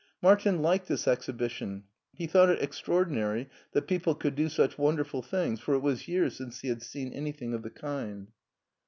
Martin liked this exhibition; he thought it extra ordinary that people could do such wonderful things, for it was years since he had seen anything of the kind.